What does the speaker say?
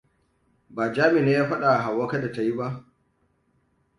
Ba Jami ne ya fadawa Hauwa kada ta yi ba.